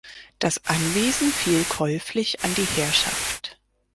Das Anwesen fiel käuflich an die Herrschaft.